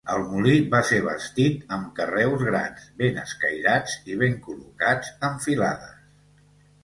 El molí va ser bastit amb carreus grans, ben escairats i ben col·locats en filades.